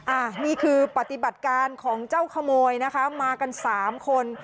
อันนี้คือปฏิบัติการของเจ้าขโมยนะคะมากันสามคน